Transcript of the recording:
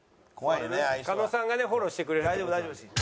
狩野さんがねフォローしてくれるって事ですので。